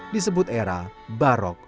dan merasa tanpa pelantutan